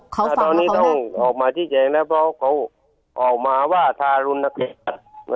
เขาฟังว่าเขาตอนนี้ต้องออกมาชี้แจงแล้วเพราะเขาออกมาว่าทารุณกรรม